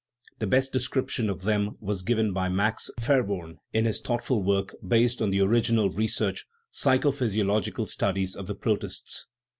The best description of them was given by Max Ver worn in his thoughtful work, based on original re search, Psycho physiological Studies of the Protists.